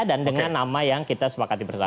dan dengan nama yang kita sepakat bersama